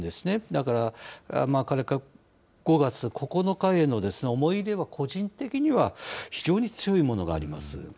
だから、５月９日への思い入れは個人的には、非常に強いものがあります。